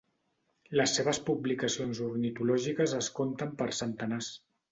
Les seves publicacions ornitològiques es conten per centenars.